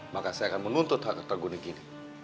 maka saya akan menuntut hak kata guna gini